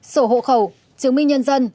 sổ hộ khẩu chứng minh nhân dân